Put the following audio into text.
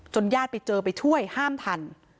ญาติไปเจอไปช่วยห้ามทัน